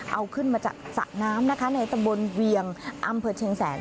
เอาขึ้นมาจากสระน้ำนะคะในตำบลเวียงอำเภอเชียงแสน